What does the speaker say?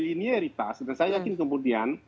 linieritas dan saya yakin kemudian